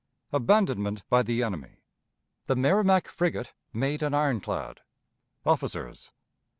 Abandonment by the Enemy. The Merrimac Frigate made an Ironclad. Officers.